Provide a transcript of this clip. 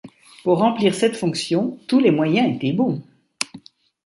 Pour remplir cette fonction, tous les moyens étaient bons.